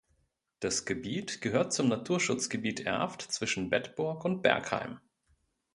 Das Gebiet gehört zum Naturschutzgebiet "Erft zwischen Bedburg und Bergheim".